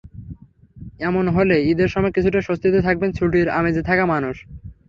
এমন হলে ঈদের সময় কিছুটা স্বস্তিতে থাকবেন ছুটির আমেজে থাকা মানুষ।